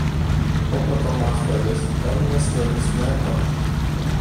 Ο πρωτομάστορης έμεινε συλλογισμένος.